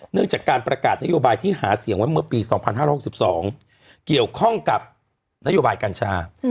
เรื่องจากการประกาศนโยบายที่หาเสียงไว้เมื่อปี๒๕๖๒เกี่ยวข้องกับนโยบายกัญชา